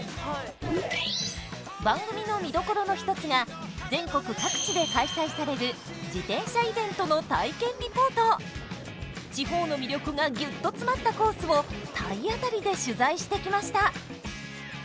番組の見どころの一つが全国各地で開催される地方の魅力がギュッと詰まったコースを体当たりで取材してきました。